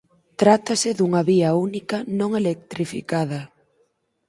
Trátase dunha vía única non electrificada.